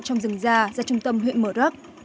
trong rừng già ra trung tâm huyện mợt rắc